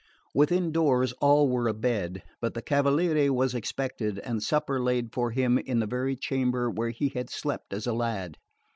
Within doors all were abed; but the cavaliere was expected, and supper laid for him in the very chamber where he had slept as a lad.